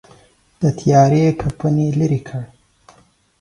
د تیارې کفن یې لیري کړ.